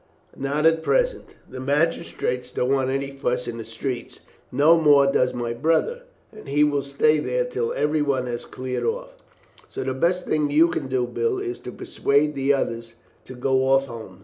"Not at present. The magistrates don't want any fuss in the streets, no more does my brother, and he will stay there till every one has cleared off, so the best thing you can do, Bill, is to persuade the others to go off home.